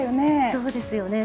そうですよね。